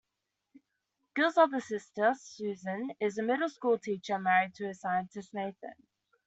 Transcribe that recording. Gil's other sister, Susan, is a middle school teacher married to a scientist, Nathan.